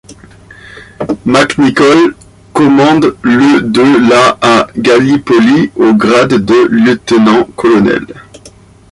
McNicoll commande le de la à Gallipoli au grade de lieutenant colonel.